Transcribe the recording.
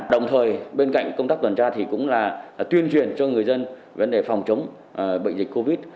đồng thời bên cạnh công tác tuần tra thì cũng là tuyên truyền cho người dân vấn đề phòng chống bệnh dịch covid